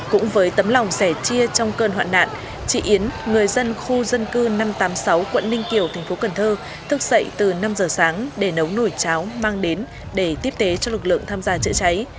cũng với tấm lòng sẻ chia trong cơn hoạn nạn chị yến người dân khu dân cư năm trăm tám mươi sáu quận ninh kiều thành phố cần thơ thức dậy từ năm giờ sáng để nấu nổi cháo mang đến để tiếp tế cho lực lượng tham gia chữa cháy